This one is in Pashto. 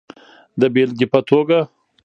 د بېلګې په توګه